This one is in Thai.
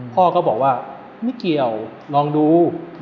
พ่อก็บอกว่าไม่เกี่ยวลองดู